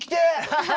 ハハハ！